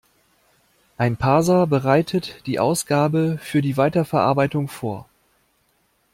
Ein Parser bereitet die Ausgabe für die Weiterverarbeitung vor.